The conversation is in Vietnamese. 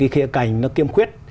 khiến cảnh nó kiêm khuyết